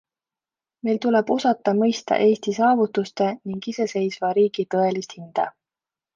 Meil tuleb osata mõista Eesti saavutuste ning iseseisva riigi tõelist hinda.